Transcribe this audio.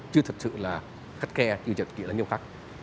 chứ thật sự là khắt khe chứ chật kỷ là nhiều khác